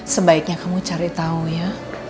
sebaiknya kamu cari tahu ya